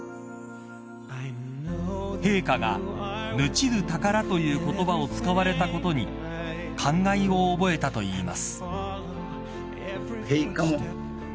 ［陛下が「ぬちどぅたから」という言葉を使われたことに感慨を覚えたといいます］